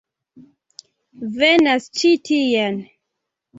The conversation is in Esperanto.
Venas ĉi tien!